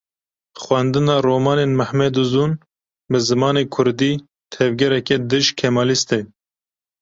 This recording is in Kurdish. Xwendina romanên Mehmed Ûzûn bi zimanê kurdî, tevgereke dij-Kemalîst e.